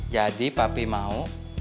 jadi papi mau